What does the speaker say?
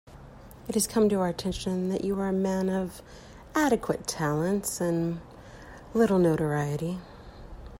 It has come to our attention that you are a man of adequate talents and little notoriety.